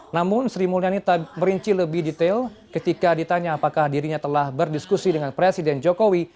namun sri mulyani tak merinci lebih detail ketika ditanya apakah dirinya telah berdiskusi dengan presiden jokowi